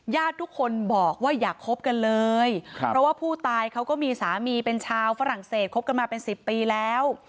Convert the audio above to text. ญาติทุกคนบอกว่าอย่าคบกันเลยเพราะว่าผู้ตายเขาก็มีสามีเป็นชาวฝรั่งเศสคบกันมาเป็น๑๐ปีแล้ว